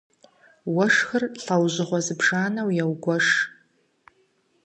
Уэшхыр лӀэужьыгъуэ зыбжанэу егуэш.